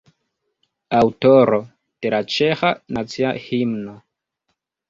Aŭtoro de la ĉeĥa nacia himno.